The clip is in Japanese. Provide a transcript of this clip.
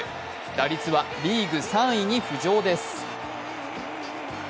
打率はリーグ３位に浮上です。